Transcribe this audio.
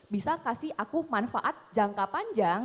bisa kasih aku manfaat jangka panjang